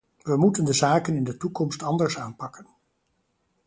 We moeten de zaken in de toekomst anders aanpakken.